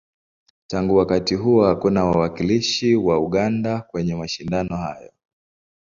Tangu wakati huo, hakuna wawakilishi wa Uganda kwenye mashindano haya.